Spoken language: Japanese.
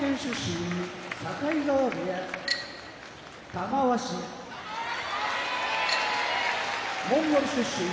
玉鷲モンゴル出身